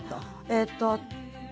えっと